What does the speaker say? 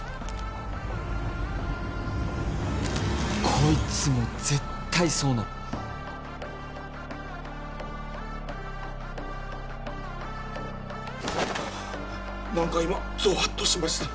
こいつも絶対そうなる何か今ゾワッとしました